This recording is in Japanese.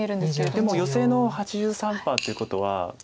でもヨセの８３％ってことは。